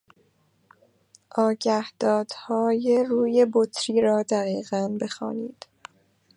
آگهدادهای روی بطری را دقیقا بخوانید.